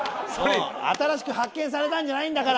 新しく発見されたんじゃないんだから！